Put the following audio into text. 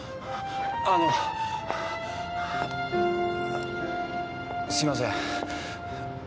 あのすいません。